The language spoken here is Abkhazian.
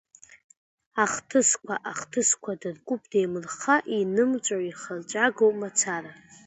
Ахҭысқәа, ахҭысқәа дыркуп деимырхха, инымҵәо-ихырҵәагоу мацара…